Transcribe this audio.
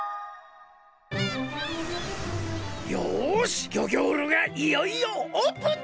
よしギョギョールがいよいよオープンだ！